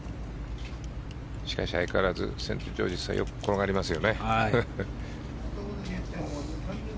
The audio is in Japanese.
しかし相変わらずセントジョージズはよく転がりますよね。